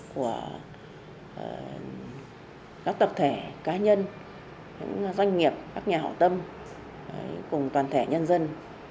của các tập thể cá nhân doanh nghiệp các nhà hậu tâm cùng toàn thể nhân dân